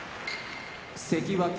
関脇